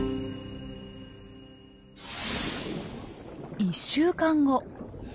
１週間後。